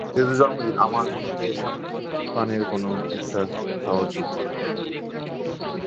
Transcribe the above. যেহেতু জন্মদিন, আমার মতে শ্যাম্পেনের কোনো একটা খাওয়া উচিত।